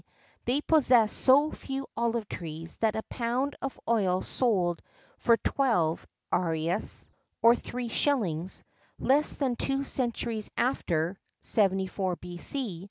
they possessed so few olive trees that a pound of oil sold for twelve As, or three shillings; less than two centuries after (74 B.C.)